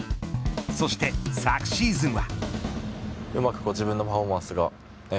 そして昨シーズンは。